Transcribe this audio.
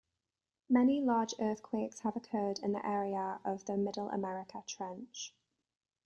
Many large earthquakes have occurred in the area of the Middle America Trench.